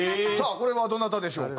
これはどなたでしょうか？